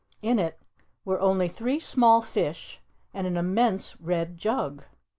In it were only three small fish and an immense red jug.